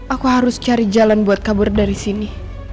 aku harus cari jalan buat kabur dari sini